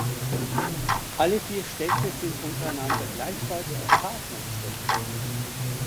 Alle vier Städte sind untereinander gleichfalls Partnerstädte.